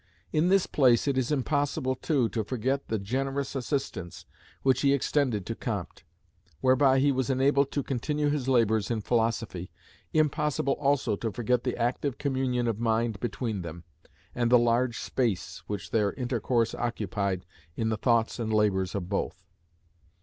In this place it is impossible, too, to forget the generous assistance which he extended to Comte, whereby he was enabled to continue his labors in philosophy, impossible also to forget the active communion of mind between them, and the large space which their intercourse occupied in the thoughts and labors of both.